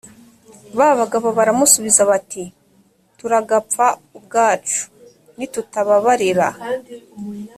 ba bagabo baramusubiza bati turagapfa ubwacu, nitutabababarira.